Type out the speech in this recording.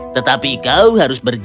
tetapi kau harus berhenti